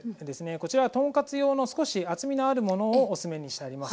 こちらは豚カツ用の少し厚みのあるものをおすすめにしてあります。